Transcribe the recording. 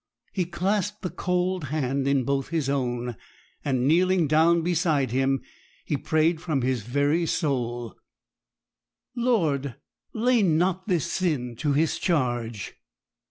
He clasped the cold hand in both his own, and, kneeling down beside him, he prayed from his very soul, 'Lord, lay not this sin to his charge.'